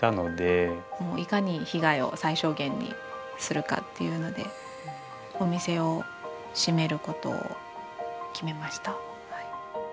もういかに被害を最小限にするかっていうのでお店を閉めることを決めました。